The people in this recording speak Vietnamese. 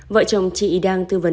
vợ chồng chị đang tư vấn